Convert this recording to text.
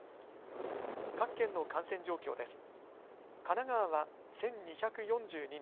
各県の感染状況です。